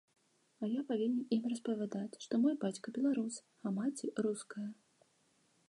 А я павінен ім распавядаць, што мой бацька беларус, а маці руская.